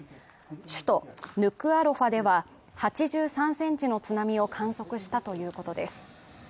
首都ヌクアロファでは８３センチの津波を観測したということです。